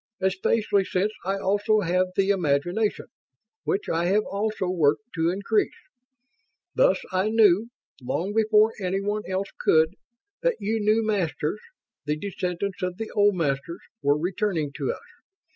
Especially since I also have the imagination, which I have also worked to increase. Thus I knew, long before anyone else could, that you new Masters, the descendants of the old Masters, were returning to us.